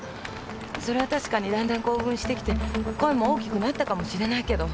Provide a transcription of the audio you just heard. それは確かにだんだん興奮してきて声も大きくなったかもしれないけど。